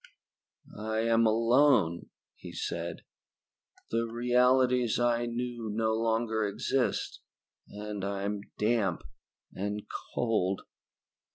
"I am alone," he said. "The realities I knew no longer exist, and I am damp and cold.